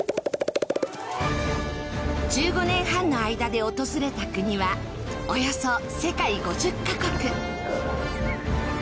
１５年半の間で訪れた国はおよそ世界５０カ国。